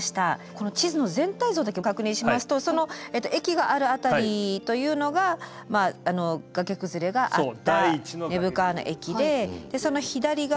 この地図の全体だけ確認しますと駅がある辺りというのが崖崩れがあった根府川の駅でその左側が。